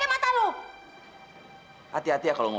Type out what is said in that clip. mereka bagus sekali dan cuman miskin berkecuali ada kita dapatnya tepatnya